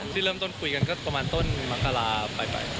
ที่เริ่มต้นคุยกันก็ต้นประมาณปัวกมักกะล่าป้าย